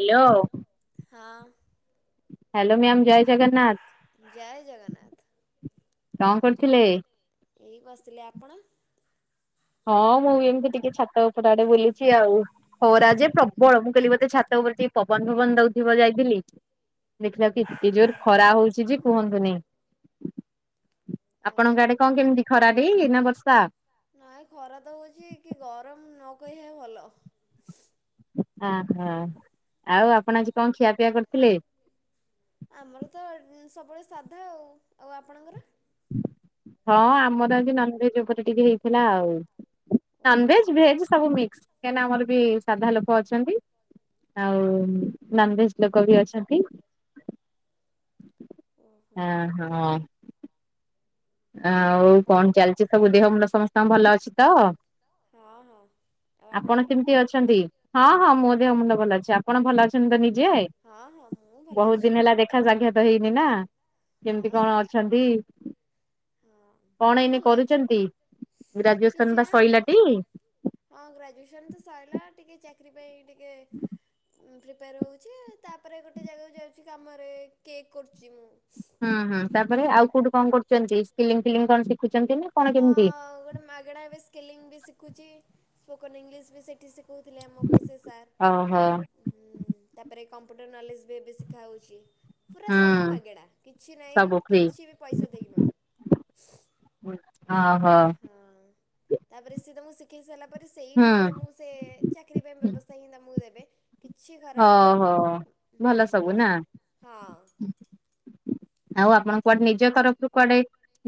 Hello. ହଁ। Hello ma'am ଜୟ ଜଗନ୍ନାଥ। ଜୟ ଜଗନ୍ନାଥ। କଣ କରୁଥିଲେ? ଏଇ ବସିଥିଲି। ଆପଣ? ହଁ ମୁଁ ଏମିତି ଟିକେ ଛାତ ଉପରଆଡେ ବୁଲିଛି ଆଉ। ଖରା ଯେ ପ ବଳ ମୁଁ କହିଲି ଗୋଟେ ଛାତ ଉପରେ ଟିକେ ପବନ ଫବନ ଦଉଥିବ ଯାଇଥିଲି ଦେଖିବାକି ଜୋର ଖରା ହଉଛି ଯେ କୁହନ୍ତୁନି। ଆପଣଙ୍କ ଆଡେ ଓହୋ କଣ କେମିତି ଖରା ଡେଇଁ ନା ବର୍ଷା? ନାଇଁ ଖରା ତ ହୋଉଛି କି ଗରମ ନ କହିବା ଭଲ। ଅହୋ ଆଉ ଆପଣ ଆଜି କଣ ଖିଆ ପିଆ କରିଥିଲେ? ଆମର ତ ସବୁବେଳେ ସାଧା ଆଉ। ଆଉ ଆପଣଙ୍କର? ହଁ ଆମର ଆଜି ନନ୍ଭେଜ ଉପରେ ଟିକେ ହେଇଥିଲା ଆଉ। ଓହୋ ନନଭେଜ ଭେଜ ସବୁ ମିକ୍ସ କାହିଁନା ଆମର ବି ସାଧା ଲୋକ ଅଛନ୍ତି। ଆଉ ନନଭେଜ ଲୋକ ବି ଅଛନ୍ତି। ହଁ ଓହୋ ହଁ। ଆଉ କଣ ଚାଲିଛି ସବୁ ଦେହ ମୁଣ୍ଡ ସମସ୍ତଙ୍କ ଭଲ ଅଛି ତ? ହଁ ହଁ। ଆଉ ଆପଣ ଆପଣଙ୍କର କେମିତି ଅଛନ୍ତି? ହଁ ହଁ ମୋ ଦେହ ମୁଣ୍ଡ ଭଲ ଅଛି ଆପଣ ଭଲ ଅଛନ୍ତି ତ ନିଜେ ହଁ ହଁ ମୁଁ ଭଲ ବହୁତ ଅଛି ଦିନ ହେଲା ଦେଖ ଖା ସାଖ୍ୟାତ ହେଇନି ନା କେମତି ହଁ। କଣ ଅଛନ୍ତି? ହଁ। କଣ ଏଇନେ ଭଲ ଅଛି। କରୁଛନ୍ତି ଗ୍ରାଜୁଏସନ କିଛି ବା ନାହିଁ ସରିଲାଟି? ହଁ ଗ୍ରାଜୁଏସନ୍ ତ ସରିଲା ଟିକେ ଚାକିରି ପାଇଁ ଟିକେ ହୁଁ ପ୍ରିପେୟାର ହେଉଛି ତା ପରେ ଗୋଟେ ଜାଗାକୁ ଯାଉଛି କାମରେ କେକ୍ କରୁଛି ମୁଁ। ହୁଁ ହୁଁ ତାପରେ ଆଉ କୋଉଠି କଣ କରୁଛନ୍ତି ସିଲିଙ୍ଗ ଫିଲିଙ୍ଗ କଣ ଶିଖୁଛନ୍ତି ନା? କଣ ହଁ କେମିତି? ଗୋଟେ ମାଗେଣା ଏବେ ସ୍କିଲିଙ୍ଗ ବି ଶିଖୁଛି ସ୍ପୋକନ ଇଂଲିଶ ବି ସେଠି ଶିଖ କହୁଥିଲେ ଆମକୁ ସେ ସାର୍। ଓହୋ ହୁଁ ତାପରେ କମ୍ପ୍ୟୁଟର ନଲେଜ ବି ଏବେ ଶିଖାହୋଉଛି। ପୁରା ସବୁ ହୁଁ ମାଗେଣା କିଛି ନାହିଁ ସବୁ ଫ୍ରି କିଛି ବି ପଇସା ଦେଇକି ନୁହଁ। ଓହୋ। ହଁ ତାପରେ ସିଏ ତମକୁ ଶିଖେଇ ସାରିଲା ପରେ ହୁଁ ସେଇଠି ହିଁ ତମକୁ ସେ ଚାକିରୀ ପାଇଁ ବ୍ୟବସ୍ଥା ହିଁ ତମକୁ ଦେବେ। କିଛି ଖରାପ ନାହିଁ ଓହୋ ଭଲ ହୁଁ ସବୁ ବା ନା? ହଁ। ଆଉ ଆପଣ କୁଆଡେ ନିଜ ତରଫରୁ କୁଆଡେ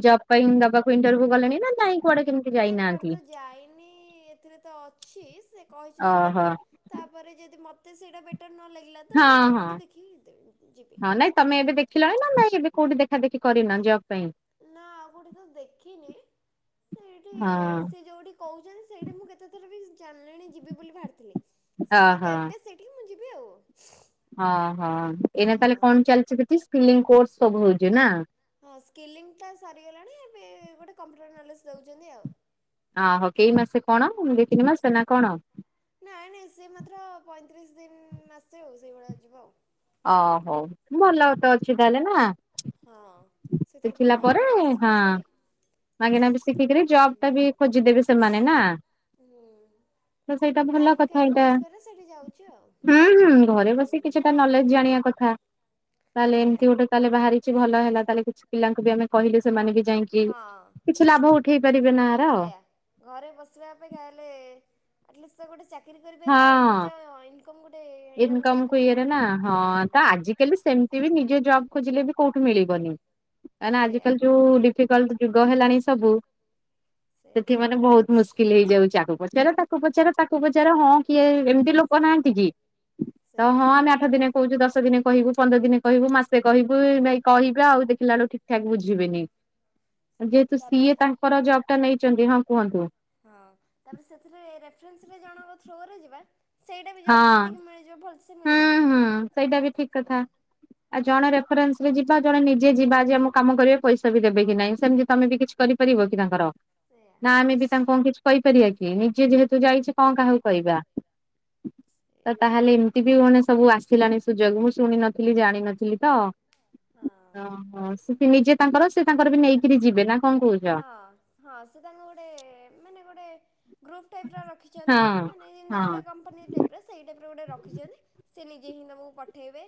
ଜବ୍ ପାଇଁ ଦବାକୁ ଇଣ୍ଟରଭ୍ୟୁ ଗଲେଣି ନା ନାହିଁ? ନାଇଁ କୁଆଡେ ତ ଯାଇନି ଏଥିରେ ତ ଅଛି ସେ କହିଛନ୍ତି ଓହୋ ଦେବେ। ତା ପରେ ଯଦି ମୋତେ ସେଇଟା ବେଟର୍ ନ ଲାଗିଲା ତ ମୁଁ ହଁ ଆଉ ହଁ କୋଉଠି ଦେଖିକି ଦିବି ଯିବି। ହଁ ନାଇଁ ତମେ ଏବେ ଦେ ଖିଲଣି ନା ନାହିଁ ଏବେ କୋଉଠି ଦେଖା ଦେଖି କରିନ ଜବ୍ ପାଇଁ। ନା ଆଉ କୋଉଠି ତ ଦେଖିନି ସେଇଠି ହଁ ସେ ଯୋଉଠି କହୁଛନ୍ତି ସେଇଠି ମୁଁ କେ କେତେଥର ବି ଜାଣିଲେଣି ଯିବେ ବୋଲି ବାହାରିଥିଲି ସେ ତ ଓହୋ ଦେବେ ସେଇଠି ମୁଁ ଯିବି ଆଉ। ହଁ ହଁ ଏଇନା ତାହଲେ ହଁ। କଣ ଚାଲିଛି ସେଠି ସ୍କିଲିଂ କୋର୍ସ ସବୁ ହଉଛି ନା। ହଁ ସ୍କିଲିଂଟା ସରିଗଲାଣି ଏବେ ଗୋଟେ କମ୍ପ୍ୟୁଟର ନଲେଜ୍ ଦଉଛନ୍ତି ଆଉ। ଅହୋ କେଇ ମାସେ କଣ ଦି ତିନି ମାସେ ନା କଣ? ନାଇଁ ନାଇଁ ସେ ମାତ୍ର ପଇଁତିରିଶି ଦିନ ମାସେ ଆଉ ସେଇଭଳିଆ ଯିବ ଆଉ। ଅ ହଉ ଭଲ ତ ଅଛି ତାହେଲେ ନା। ହଁ ସେଥିରେ ଶିଖିଲା ପୁଣି ପରେ ମାଗଣା ବି ହଁ ଶିଖଉଛନ୍ତି। ମାଗେଣା ବି ଶିଖିକରି ଜବ୍ ଟା ବି ଖୋଜିଦେବେ ସେମାନେ ନା। ହୁଁ ତ ସେଇଟା ଭଲ ଟାଇମ୍ କଥା କାହିଁ ଏଇଟା, ୱେଷ୍ଟ କରେ ସେଇଠି ଯାଉଛି ଆଉ ହିଁ ହୁଁ ଘରେ ବସି ହୁଁ। କିଛିଟା ନ ଜାଣିବା କଥା ତାହେଲେ ସେଇଆ ଏମିତି ଗୋଟେ ତାହେଲେ ବାହାରିଛି ଭଲ ହେଲା, ତାହେଲେ କିଛି ପିଲାଙ୍କୁ ବି ଆମେ କହିଲେ ସେମାନେ ବି ଯାଇକି ହଁ। କିଛି ଲାଭ ଉଠେଇ ପାରିବେ ନା। ଆର ହଁ। ସେୟା ଘରେ ବସିବା ଅପେକ୍ଷା ହେଲେ ଆର୍ଟଲିଷ୍ଟ ଗୋଟେ ଚାକିରୀ କରିପାରିବେ ନିଜ ଇନକମ୍ ଗୋଟେ ୟନ୍ କରିପାରିବେ। ଆଜି କାଲି ସେମିତି ବି ନିଜେ ଜବ୍ ଖୋଜିଲେ ବି କୋଉଠୁ ମିଳିବନି, କାହିଁକି ନା ଆଜି ସେଇଆ କାଲି ଯୋଉ ଡି ଡିଫିକଲ୍ଟ ଯୁଗ ହେଲାଣି ସବୁ ସେଇଆ ସେଠି ମାନେ ବହୁତ ମୁସ୍କିଲ ହେଇଯାଉଛି ଆକୁ ପଚାର ତାକୁ ଆକୁ ପଚାର ତାକୁ ପଚାର ହଁ କିଏ ଏମିତି ଲୋକ ନାହାନ୍ତି, କି ତ ସେଇଆ ହଁ ଆମେ ଆଠ ଦିନେ କହୁଛୁ ଦଶ ଦିନେ କହିବୁ ପନ୍ଦର ଦିନେ କହିବୁ ମାସେ କହିବୁ ନାଇ କହିବା ଆଉ ଦେଖିଲା ବେଳୁ ଠିକ ଠାକ ବୁଝିବେନି। ଯେହେତୁ ସିଏ ତାପରେ ତାଙ୍କର ଜବ ଟା ନେଇଛନ୍ତି ହଁ କୁହନ୍ତୁ। ହଁ ତାପରେ ସେଥିରେ ରେଫରେନ୍ସ ରେ ଜଣଙ୍କ ଥ୍ରୋ ରେ ଯିବା ସେଇଟା ବି ଜଲଦି ହଁ ଟିକ ମି ଯୋଉ ଭଲସେ ହୁଁ ମିଳିବ, ହୁଁ ସେଇଟା ବି ଠିକ ଏୟା। କଥା। ଆଉ ଜଣେ ରେଫରେନ୍ସ ରେ ଯିବା ଜଣେ ନିଜେ ଯିବା ଯେ ଆମ କାମ କରିବା ପଇସା ବି ଦେବେ କି ନାହିଁ ସେମିତି ତମେ ବି କିଛି କରିପାରିବ କି ତାଙ୍କର। ସେଇଆ। ନା ଆମେ ବି ତାଙ୍କୁ କଣ କିଛି କହିପାରିବା କି ନିଜେ ଯେହେତୁ ଯାଇଛି କଣ କାହାକୁ କହିବା। ତ ତାହେଲେ ଏମିତି ବି ମାନେ ସବୁ ଆସିଲାଣି ସୁଯୋଗ ମୁଁ ଶୁଣି ନଥିଲି, ଜାଣିନଥିଲି ତ। ହଁ ଓହୋ ସେ ନିଜେ ତାଙ୍କର ସେ ତାଙ୍କର ବି ନେଇକିରି ଯିବେ ନା କଣ କହୁଛ ହଁ ହଁ ସେ ତାଙ୍କୁ ଗୋଟେ ମାନେ ଗୋଟେ ଗ୍ରୁପ ଟାଇପ ରଖିଛନ୍ତି, ହଁ। ମାନେ ଏମିତି ଗୋଟେ ହଁ। କମ୍ପାନୀ ଟାଇପ୍ ର ସେଇ ଟାଇପ ଗୋଟେ ରଖିଛନ୍ତି। ସେ ନିଜେ ହିଁ ତମକୁ ପଠାଇବେ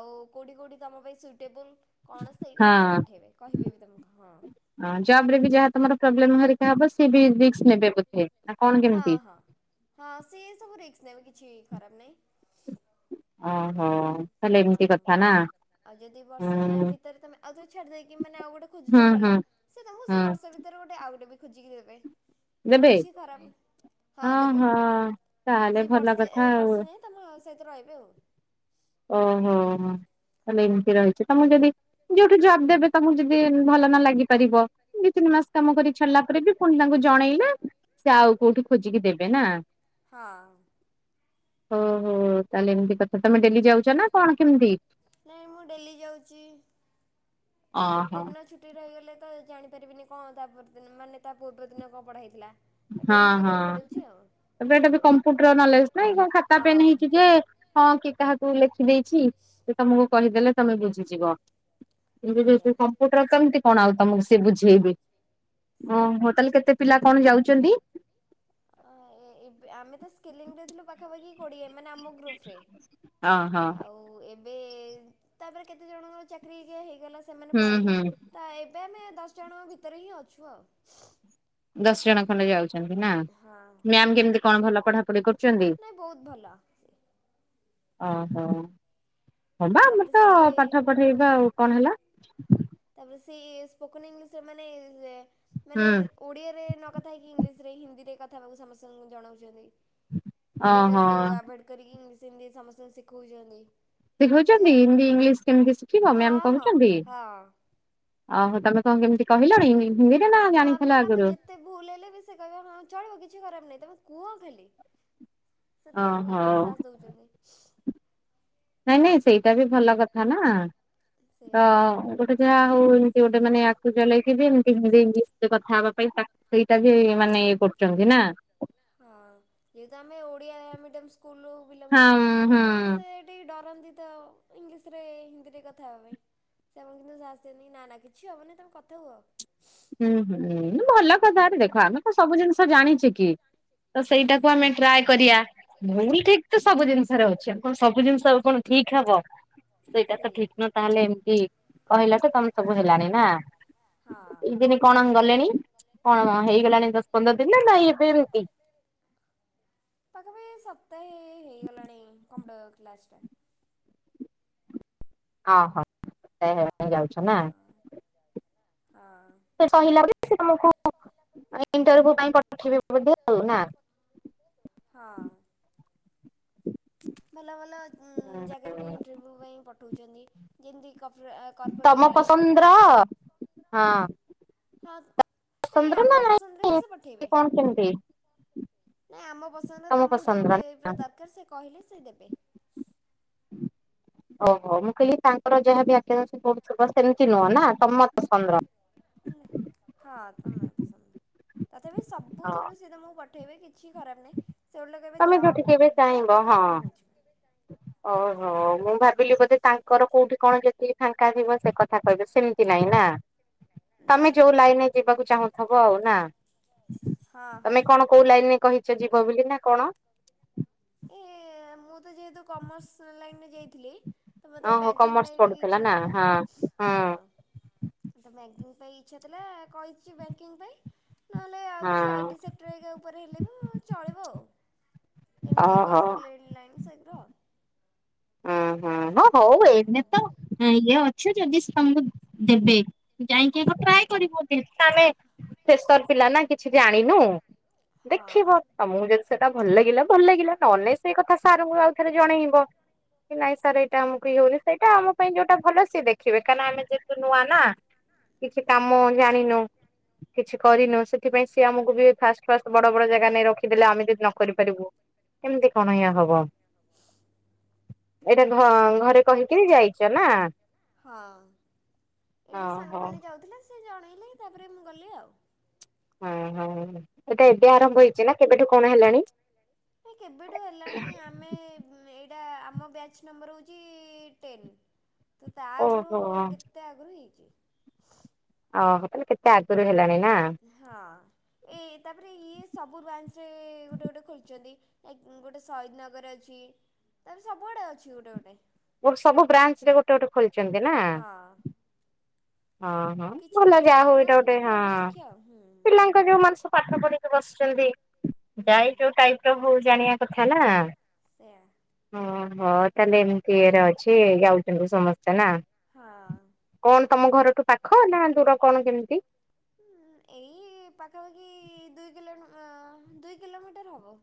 ଆଉ କୋଉଠି କୋଉଠି ତୁମ ପାଇଁ ସୁଇଟେବୁଲ୍ କଣ ସେଇଟିକି ସେ ପଠାଇବେ, କହିବେ ବି ତମକୁ ହଁ। ହଁ ଜବ ରେ ବି ଯାହା ତମର ପ୍ରୋବ୍ଲେମ ହରିକା ହବ ସି ବି ରିକସ ନେବେ ବୋଧେ? ନା କଣ ହଁ କେମିତି? ହଁ ହଁ ସେ ସବୁ ରିକସ ନେବେ କିଛି ଖରାପ ନାହିଁ। ଓହୋ ତାହଲେ ହଁ ଏମିତି କଥା ନା। ଆଉ ଯଦି ହୁଁ ବର୍ଷେ ଯାଏ ଭିତରେ ତମେ ଆଉ ଥରେ ଛାଡ଼ି ଦେଇକି ମାନେ ଆଉ ଗୋଟେ ହୁଁ ଖୋଜୁଛ ହୁଁ ଭଲ ସିଏ ତମକୁ ସେ ହୁଁ ବର୍ଷ ଭିତରେ ଗୋଟେ ଆଉ ଗୋଟେ ବି ଖୋଜିକି ଦେବେ। ଦେବେ କିଛି ଖରାପ ହଁ ଦେବେ ତାହେଲେ ସିଏ ଭଲ ବର୍ସେ କଥା ଆଉ ବର୍ଷେ ଯାଏଁ। ତମ ସହିତ ରହିବେ ଆଉ। ଓହୋ ହୋ ତାଲେ ହଁ। ଏମିତି ରହିଛି ତମକୁ ଯଦି ଯୋଉଠି ଜବ୍ ଦେବେ ତମକୁ ଯଦି ଭଲ ନ ଲାଗି ପାରିବ ଦି ତିନି ମାସ ହଁ କାମ କରି ଛାଡ଼ିଲା ପରେ ବି ପୁଣି ତାଙ୍କୁ ଜଣେଇଲେ ସେ ଆଉ କୋଉଠି ଖୋଜିକି ଦେବେ ନା ହଁ ଓହୋ ତାହଲେ ଏମିତି କଥା ତମେ ଡେଲି ଯାଉଛ ନା କଣ କେମିତି? ନାଇଁ ମୁଁ ଡେଲି ଯାଉଛି, ଆଉ ଗୋଟେ ଓହୋ ଦିନ ଛୁ ଛୁଟି ରହିଗଲେ ତ ଜାଣିପାରିବିନି କଣ ତା ପର ମାନେ ତା ପୂର୍ବ ଦିନ କଣ ପଢା ହେଇଥିଲା। ତ ହଁ ଡେଲି ହଁ ଯିବାକୁ ପଡ଼ୁଛି ଆଉ। ତାପରେ ଏଇଟା ବି କମ୍ପ୍ୟୁଟର ନଲେଜ ନାଁ ଖାତା ପେନ୍ ହେଇଛି ହଁ ଯେ ହଁ କି କାହା ତୁ ଲେଖିଦେଇଛି, ସେ ତମକୁ କହିଦେଲେ ତମେ ବୁଝିଯିବ। ସେଇଆ [unintelligible] କମ୍ପୁଟର କେମିତି କଣ ଆଉ ତମକୁ ସିଏ ବୁଝେଇବେ। ସେୟା। ଓହୋ ତାହେଲେ କେତେ ପିଲା କଣ ଯାଉଛନ୍ତି? ଅ ଏବେ ଆମେ ତ ସ୍କିଲିଂରେ ଥିଲୁ ବା ପାଖପଖି କୋଡିଏ ମାନେ ଆମ ଗ୍ରୁପରେ, ଓହୋ ଆଉ ଏ ବେ ତାପରେ କେତେଜଣଙ୍କ ଚାକିରୀ କା ହେଇଗଲା ସେମାନେ ହୁଁ ପଳେଇଲେ। ହୁଁ ତ ଏବେ ଆମେ ଦଶ ଜଣଙ୍କ ଭିତରେ ହିଁ ଅଛୁ ଆଉ। ଦଶ ଜଣ ଖଣ୍ଡେ ଯାଉଛନ୍ତି ନା, ହଁ। ମ୍ୟାମ୍ କେମ୍ତି କଣ ଭଲ ପଢାପଢି କରୁ ଛନ୍ତି, ନାଇଁ ବହୁତ ଭଲ। ଓହୋ। ହଁବା ଆମର ତାପରେ ତ ସିଏ ପାଠ ପଢେଇବା ଆଉ, କଣ ହେଲା? ତାପରେ ସେ ସ୍ପୋକନ୍ ଇଂଲିଶରେ ମାନେ-ମାନେ ହୁଁ। ଓଡ଼ିଆରେ ନକଥା ହେଇକି ଇଂଲିଶରେ ହିନ୍ଦୀରେ କଥା ହବାକୁ ସମସ୍ତଙ୍କୁ ଜଣାଉଛନ୍ତି। ଓହୋ ଓଡ଼ିଆଟାକୁ ଆଭଏଡ୍ କରିକି ଇଂଲିଶ ହିନ୍ଦୀ ସମସ୍ତଙ୍କୁ ଶିଖଉଚନ୍ତି। ଏମ୍ତି ଶିଖଉଛନ୍ତି ଆଉ, ହିନ୍ଦୀ ଇଂଲିଶ କେମିତି ଶିଖିବ ମ୍ୟାମ କହୁଛନ୍ତି? ହଁ-ହଁ-ହଁ। ଓହୋ ତମେ କଣ କେମ୍ତି କହିଲଣି? ହିନ୍ଦୀରେ ନା ଜାଣିଥିଲ ନର୍ମାଲ୍ ଆମେ ଆଗରୁ? ଯେତେ ଭୁଲ୍ ହେଲେ ବି ସେ କହିବେ ହଁ ଚଳିବ କିଛି ଖରାପ୍ ନାହିଁ ତମେ କୁହ ଖାଲି। ସେତିକି ଆମୁକୁ ଓହୋ ସାହସ୍ ଦଉଚନ୍ତି। ନାଇଁ-ନାଇଁ ସେଇଟା ବି ଭଲ କଥା ନା, ସେଇଆ ତ ଗୋଟେ ଯାହା ହଉ ଏମ୍ତି ଗୋଟେ ମାନେ ଆକୁ ଚଲେଇକି ବି ଏମ୍ତି ହିନ୍ଦୀ ଇଂଲିଶରେ କଥା ହବା ପାଇଁ ତା ସେଇଟା ବି ମାନେ ଇଏ କରୁଚନ୍ତି ନା? ହଁ ଯେହେତୁ ଆମେ ଓଡ଼ିଆ ମିଡିୟମ୍ ସ୍କୁଲୁ ରୁ ବିଲଙ୍ଗ ହଁ କରୁଚୁ, ହୁଁ ସମସ୍ତେ ଟିକେ ଡରନ୍ତି ତ ଇଂଲିଶ୍ ରେ ହିନ୍ଦୀରେ କଥା ହବା ପାଇଁ। ସେ ଆମକୁ କିନ୍ତୁ ସାହସ ଦିଅନ୍ତି ନା-ନା କିଛି ହବନି ତମେ କଥା ହୁଅ। ହୁଁ-ହୁଁ ଭଲ କଥା, ଆରେ ଦେଖ ହଁ। ଆମେ କଣ ସବୁ ଜିନିଷ ଜାଣିଚେ କି। ତ ସେଇଟାକୁ ଆମେ ସେଇଆ। ଟ୍ରାଏ କରିଆ, ଭୁଲ୍ ଠିକ୍ ତ ସବୁ ଜିନିଷରେ ଅଛି ଆଉ କଣ ସବୁ ଜିନିଷ ଆଉ କଣ ଠିକ୍ ହବ, ସେଇଟା ତ ସେଇଆ। ଠିକ୍ ନ ତାହେଲେ ଏମ୍ତି କହିଲା ଠୁ ତମ ସବୁ ହେଲାଣିି ନା? ହଁ କେଇ ଦିନି କଣ ଗଲେଣି, କଣ ହେଇଗଲାଣି ଦଶ ପନ୍ଦର ଦିନ ନା ନାଇଁ ଏବେ ଏମ୍ତି? ପାଖାପାଖି ସପ୍ତାହେ ହେଇଗଲାଣି କମ୍ପଟର କ୍ଲାସ୍ ଟା। ଆହୋ [unintelligible] ଯାଉଛ ନା? ହଁ। [unintelligible] ପରେ ସେ ତମକୁ ଇଣ୍ଟର୍ଭ୍ୟୁ ପାଇଁ ପଠେଇବେ ବୋଧେ ଆଉ ନା? ହଁ। ଭଲ-ଭଲ ଉଁ ଜାଗାରେ ବି ଇଣ୍ଟରଭ୍ୟୁ ପାଇଁ ପଠଉଚନ୍ତି ଯେମ୍ତି କପ୍ର କର୍ପୋରେଟ୍ ଲାଇନ୍। ରହ ହଁ। ହାକ୍, ନାଇଁ ପସନ୍ଦର ନା ଆମ ପସନ୍ଦରେ ହିଁ ନାଇଁ ସେ ପଠେଇବେ। କଣ କେମିତି ନାଇଁ ଆମ ପସନ୍ଦ ତମ ତମକୁ ଯୋଉ ପସନ୍ଦର ଟାଇପ୍ ନା? ର ଦରକାର୍ ସେ କହିଲେ ସେ ଦେବେ। [inaudible] ଓହୋ ମୁଁ କହିଲି ତାଙ୍କର ଯାହାବି [unintelligible] ପଡୁଥିବ ସେମ୍ତି ନୁହଁ ନା ତମ ପସନ୍ଦର? ହଁ ତମ ପସନ୍ଦ ର। ତଥାପି ହଁ। ସବୁଥରୁ ସିଏ ତମୁକୁ ପଠେଇବେ କିଛି ଖରାପ୍ ନାହିଁ। ସେ ଓଲଟା କହିବେ ତମେ ଯୋଉଠି କେବେ ଯାଅ ଦିଅ ଚାହିଁବ ଦେଖ ହଁ କଁ ହେଉଛି। [unintelligible] ମୁଁ ଭାବିଲି ବୋଧେ ତାଙ୍କର କୋଉଠି କଣ ଯେତିକି ଫାଙ୍କା ଥିବ ସେ କଥା କହିବେ, ସେମ୍ତି ନାଇଁ ନା? ନା ତମେ ନା ଯୋଉ ଲାଇନ୍ ରେ ଯିବାକୁ ଚାହୁଁଥବ ଆଉ ନା, ହଁ ତମେ ହଁ। କଣ କୋଉ ଲାଇନ୍ ରେ କହିଚ ଯିବ ବୋଲି ନା କଣ? ଏ ମୁଁ ତ ଯେହେତୁ କମର୍ସ ଲାଇନ୍ ରେ ଯାଇଥିଲି। ତ ମତେ ଓହୋ ବ୍ୟାଙ୍କିଙ୍ଗ କମର୍ସ ପାଇଁ ଟିକେ ପଢୁଥିଲା ଇଛା ନା ଥିଲା ହଁ ହଁ। ତ ବ୍ୟାଙ୍କିଙ୍ଗ ପାଇଁ ଇଚ୍ଛା ଥିଲା କହିଛି ବ୍ୟାଙ୍କିଙ୍ଗ ପାଇଁ, ନହେଲେ ଆଉ କିଛି ହଁ ଆଇଟି ସେ କ୍ଟର [unintelligible] ଉପରେ ହେଲେବି ହଁ ଚଳିବ ଆଉ। ଏମ୍ତି ଓହୋ। [unintelligible] ଲାଇନ୍ [unintelligible] ହୁଁ ହଁ ହଉ ଏଇନେ ତ ଇଏ ଅଛି ଯଦି [unintelligible] ଦେବେ। ଯାଇଁକି ଆଗ ଟ୍ରାଏ କରିବ, ଆମେ ଫେସର ପିଲା ନା କିଛି ଜାଣିନୁ। ହଁ ଦେଖିବ? ତମକୁ ଯଦି ସେଟା ଭଲ ଲାଗିଲା ଭଲ ଲାଗିଲା ନହେଲେ ସେଇ କଥା ସାରଙ୍କୁ ଆଉଥରେ ଜଣେଇବ କି ନାଇଁ? ସାର୍ ଏଇଟା ଆମକୁ ଇଏ ହଉନି ସେଇଟା ଆମ ପାଇଁ ଯୋଉଟା ଭଲ ସିଏ ଦେଖିବେ କାହିଁକ ନା ଆମେ ଯେହେତୁ ନୂଆ ନା କିଛି କାମ ସେଇଆ ଜାଣିନୁ? କିଛି କରିନୁ ସେଥିପାଇଁ ସିଏ ଆମକୁ ବି ଫାଷ୍ଟ ଫାଷ୍ଟ ବଡ ବଡ ଜାଗା ନେଇ ରଖିଦେଲେ ଆମେ ଯଦି ନ କରିପାରିବୁ? କେମତି କଣ ଇଏ ସେଇଆ ହବ? ଏଇଟା ଘ ଘରେ କହିକିରି ଯାଇଛ ନା? ହଁ। ଏଇଠୁ ଓହୋ। ସାଙ୍ଗମାନେ ଯାଉଥିଲେ ସେ ଜଣେଇଲେ ତାପରେ ମୁଁ ଗଲି ଆଉ ହଁ ହଁ। ଏଟା ଏବେ ଆରମ୍ଭ ହେଇଛି ନା କେବେଠୁ କଣ ହେଲାଣି? ଏ କେବେଠୁ ହେଲାଣି ଆମେ ଏଇଟା ଆମ ବ୍ୟାଚ୍ ନମ୍ବର ହେଉଛି ଟେନ୍। ତ ତା ଆଗରୁ ଓହୋ। କେତେ ଆଗରୁ ହେଇଛି? ଓ ତାହଲେ କେତେ ଆଗରୁ ହେଲାଣି ନା। ହଁ ଏ ତାପରେ ଇଏ ସବୁ ବ୍ରାଞ୍ଚରେ ଗୋଟେ ଗୋଟେ ଖୋଲିଛନ୍ତି। ଗୋଟେ ସହୀଦନଗର ଅଛି ତାପରେ ସବୁ ଆଡେ ଅଛି ଗୋଟେ ଗୋଟେ ମୋର ସବୁ ବ୍ରାଞ୍ଚରେ ଗୋଟେ ଗୋଟେ ଖୋଲିଛନ୍ତି ନା? ହଁ। ହଁ ହଁ କିଛି ଭଲ ନାହିଁ ଯାହା ହଉ ମାଗଣା ଏଇଟା ଗୋଟେ ହଁ ଭଲ ଶିକ୍ଷା ଆଉ ହୁଁ ପିଲାଙ୍କ ଯୋଉ ମଣିଷ ପାଠ ପଢିକି ବସିଛନ୍ତି ହୁଁ ଯାଇ ଯୋଉ ଟାଇପର ହଉ ଜାଣିବା କଥା ନା? ସେୟା। ଓହୋ ତାହେଲେ ଏମିତି ଇଏରେ ଅଛି ଯାଉଥିଲୁ ସମସ୍ତେ ନା? ହଁ। କଣ ତମ ଘରଠୁ ପାଖ ନା ଦୂର କଣ କେମିତି? ଏଇ ପାଖାପାଖି ଦୁଇ କ ଦୁଇ କିଲୋମିଟର ହବ।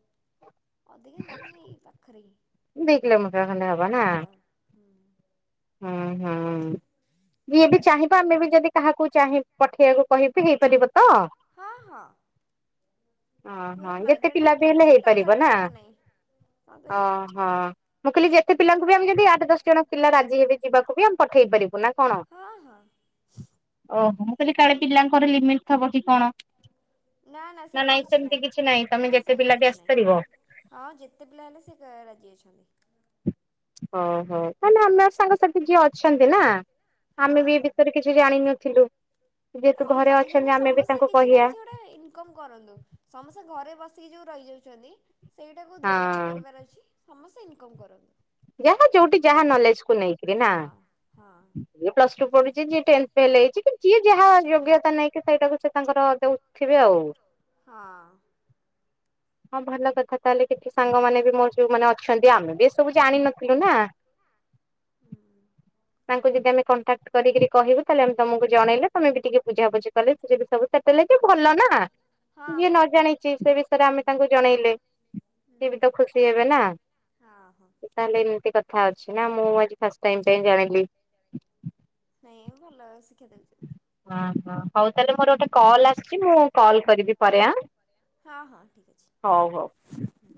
ଅଧିକା ନୁଏ ଏଇ ପାଖରେ ହି ଦୁଇ କିଲୋମିଟର ଖଣ୍ଡେ ହେବ ନା? ହୁଁ। ହୁଁ ହୁଁ ଯିଏ ବି ଚାହିଁ ଆମେ ବି ଯଦି କାହାକୁ ଚାହିଁ ପଠେଇବାକୁ କହିବି ହେଇପାରିବ ତ? ହଁ ହଁ। ଓହୋ ପୁରା ଯେତେ ମାଗେଣା ପିଲା ବି ହେଲେ କିଛି ହେଇପାରିବ ଟଙ୍କାଟା ନା ନେବାର ନାହିଁ। କଣ ଓ କହିଲେ ହଁ ମୁଁ କହିଲି ଯେତେ ପିଲାଙ୍କୁ ବି ଆମେ ଯଦି ଆଠ ଦଶ ଜଣ ପିଲା ରାଜି ହେି ଯିବାକୁ ବି ଆମେ ପଠେଇ ପାରିବୁ? କଣ ହଁ ହଁ ନା କାଳେ ପିଲାଙ୍କର ଲିମିଟ ଥିବ କି କଣ? ନା ନା ସେମିତି ନାଇଁ କିଛି ତମେ ନାହିଁ ନା ଯେତେ ପିଲା ସେମିତି ବି କିଛି ଆସିପାରିବ ନାହିଁ। ହଁ ଯେତେ ପିଲା ହେଲେ ସେ ରାଜି ଅଛନ୍ତି। ଓହୋ। କିଛି ଜାଣିନଥିଲୁ ହଁ ଯେହେତୁ ସିଏ ଘରେ ଚାହୁଁଛନ୍ତି ଅଛନ୍ତି ଆମେ ବି ସମସ୍ତେ ତାଙ୍କୁ କିଛି ନା କହିଆ? କିଛି ଗୋଟେ ଇନକମ କରନ୍ତୁ ସମସ୍ତେ ଘରେ ବସିକି ଯୋଉ ରହିଯାଉଛନ୍ତି। ସେଇଟାକୁ ଦୂର ହଁ। କରିବାର ଅଛି ସମସ୍ତେ ଇନକମ୍ କରନ୍ତୁ। ଯାହା ଯୋଉଠି ଯାହା ନଲେଜକୁ ନେଇକରି ନା। ହଁ ହଁ ଯିଏ ପ୍ଲସ ଟୁ ପଢୁଛି ଯିଏ ଟେନ୍ଥ ଫେଲ ହେଇଛି କି ଯିଏ ଯାହା ଯୋଗ୍ୟତା ନେଇକି ସେଇଟାକୁ ତାଙ୍କର ଦେଉଥିବେ ଆଉ ହଁ। ହଁ ଭଲ କଥା ତାହେଲେ କିଛି ସାଙ୍ଗମାନେ ବି ମୋର ଯୋଉ ମାନେ ଅଛନ୍ତି ଆମେ ବି ଏସବୁ ଜାଣିିନଥିଲୁ ନା। ହୁଁ। ତାଙ୍କୁ ଯଦି ଆମେ କଣ୍ଟାକ୍ଟ କରିକି କହିବୁ ତାହେଲେ ଆମେ ତମକୁ ଜଣେଇଲେ ତମେ ବି ଟିକେ ବୁଝାବୁଝି କଲେ ସେ ଯଦି ସବୁ ବୋଲିଲେ କି ଭଲ ନା ହଁ କିଏ ହଁ। ନ ଜାଣିଛି ସେ ବିଷୟରେ ହୁଁ। ଆମେ ତାଙ୍କୁ ଜଣେଇଲେ ହୁଁ। ସେ ସିଏ ବି ତ ଖୁସି ହେବେ ନା? ହଁ ହଁ ତାହଲେ ଏମିତି କଥା ଅଛି ନା, ମୁଁ ଆଜି ଫାଷ୍ଟ ଟାଇମ୍ ପାଇଁ ଜାଣିଲି। ନାଇଁ ଭଲ ଶିକ୍ଷା ଦେଉଛନ୍ତି। ଓହୋ ହଉ ତାହେଲେ ମୋର ଗୋଟେ କଲ ଆସିଛି ମୁଁ କଲ୍ କରିବି ପରେ ଆଁ। ହଁ ହଁ ଠିକ୍ ହଉ ହଉ। ଅଛି ହୁଁ।